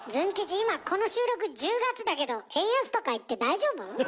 今この収録１０月だけど円安とか言って大丈夫？